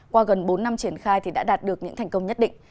qua gần bốn năm triển khai thì đã đạt được những thành công nhất định